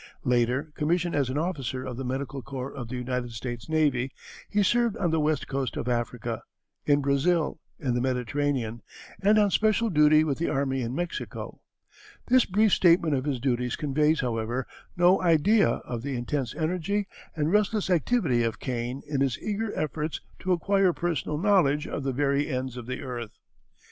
Later, commissioned as an officer of the medical corps of the United States Navy, he served on the west coast of Africa, in Brazil, in the Mediterranean, and on special duty with the army in Mexico. This brief statement of his duties conveys, however, no idea of the intense energy and restless activity of Kane in his eager efforts to acquire personal knowledge of the very ends of the earth.